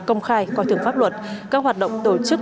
công khai coi thường pháp luật các hoạt động